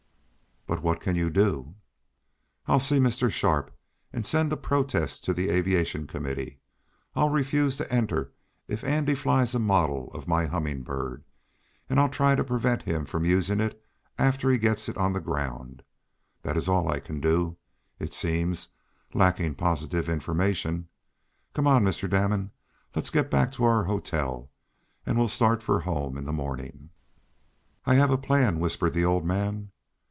"But what can you do?" "I'll see Mr. Sharp, and send a protest to the aviation committee. I'll refuse to enter if Andy flies in a model of my Humming Bird, and I'll try to prevent him from using it after he gets it on the ground. That is all I can do, it seems, lacking positive information. Come on, Mr. Damon. Let's get back to our hotel, and we'll start for home in the morning." "I have a plan," whispered the odd man.